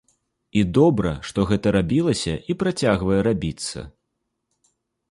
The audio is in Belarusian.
І добра, што гэта рабілася і працягвае рабіцца.